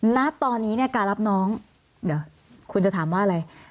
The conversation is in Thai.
ณตอนนี้เนี่ยการรับน้องเดี๋ยวคุณจะถามว่าอะไร